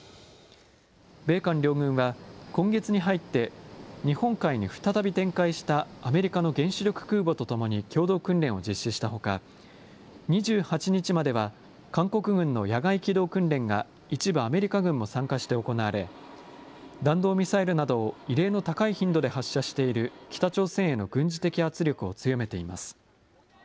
米韓両軍は、今月に入って日本海に再び展開したアメリカの原子力空母と共に共同訓練を実施したほか、２８日までは韓国軍の野外機動訓練が一部アメリカ軍も参加して行われ、弾道ミサイルなどを異例の高い頻度で発射している北朝鮮への軍事的圧力を強めています。